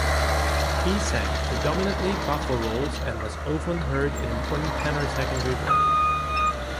He sang predominantly buffo roles and was often heard in important tenor secondary roles.